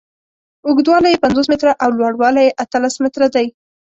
اوږدوالی یې پنځوس متره او لوړوالی یې اتلس متره دی.